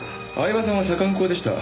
饗庭さんは左官工でした。